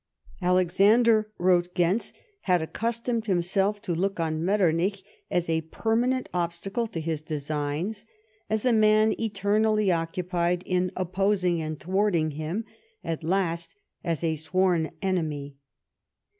Alexander, wrote Gentz, had accustomed himself to look on Met ternich as a permanent obstacle to his designs, as a man eternally occupied in opposing and thwarting him; at last, as a sworn enemy.